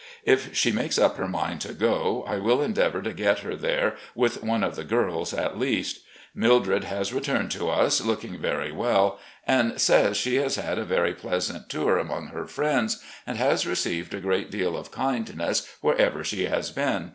If she makes up her mind to go, I will endeavour to get her there with one of the g^rls, at least. Mildred has returned to us, looking very well, and says she has had a very pleasant tour among her friends, and has received a great deal of kindness wherever she has been.